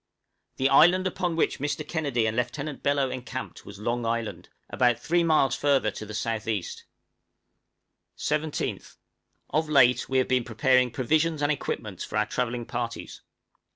The island upon which Mr. Kennedy and Lieutenant Bellot encamped was Long Island, about three miles further to the south east. {FUTURE SLEDGE TRAVELLING.} 17th. Of late we have been preparing provisions and equipments for our travelling parties.